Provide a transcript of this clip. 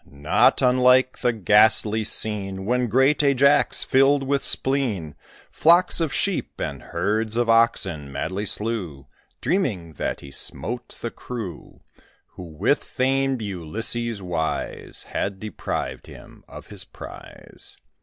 Not unlike the ghastly scene When great Ajax, filled with spleen, Flocks of sheep and herds of oxen madly slew, Dreaming that he smote the crew Who, with famed Ulysses wise, Had deprived him of his prize.